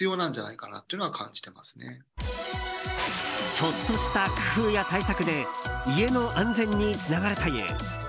ちょっとした工夫や対策で家の安全につながるという。